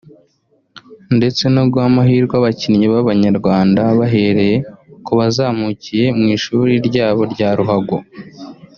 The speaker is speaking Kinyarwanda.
ndetse no guha amahirwe abakinnyi b’abanyarwanda bahereye ku bazamukiye mu ishuri ryabo rya ruhago